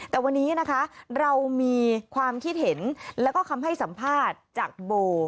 แต่วันนี้นะคะเรามีความคิดเห็นแล้วก็คำให้สัมภาษณ์จากโบ